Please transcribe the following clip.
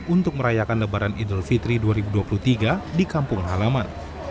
untuk merayakan lebaran idul fitri dua ribu dua puluh tiga di kampung halaman